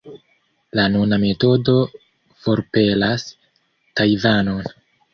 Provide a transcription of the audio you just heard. La nuna metodo forpelas Tajvanon.